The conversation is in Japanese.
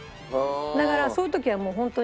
だからそういう時はもうホントに。